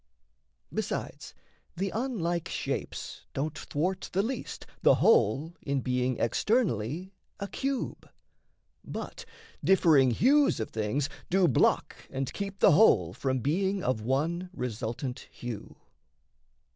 Besides, the unlike shapes don't thwart the least The whole in being externally a cube; But differing hues of things do block and keep The whole from being of one resultant hue.